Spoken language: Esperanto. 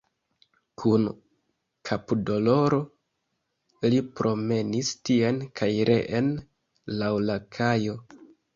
Kun kapdoloro li promenis tien kaj reen laŭ la kajo.